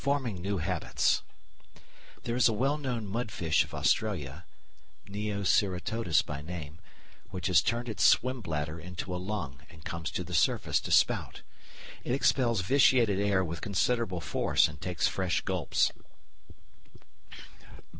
§ 4 Forming New Habits There is a well known mudfish of Australia, Neoceratodus by name, which has turned its swim bladder into a lung and comes to the surface to spout. It expels vitiated air with considerable force and takes fresh gulps.